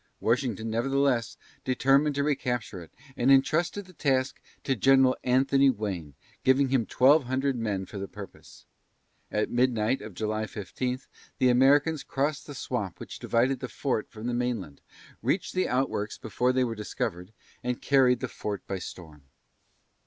Washington, nevertheless, determined to recapture it, and intrusted the task to General Anthony Wayne, giving him twelve hundred men for the purpose. At midnight of July 15, the Americans crossed the swamp which divided the fort from the mainland, reached the outworks before they were discovered, and carried the fort by storm.